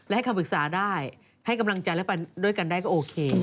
และให้คำปรึกษาได้ให้กำลังใจและไปด้วยกันได้ก็โอเค